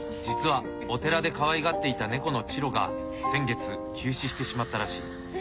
実はお寺でかわいがっていた猫のチロが先月急死してしまったらしい。